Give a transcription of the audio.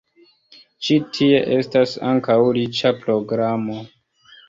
Ĉi tie estas ankaŭ riĉa programo.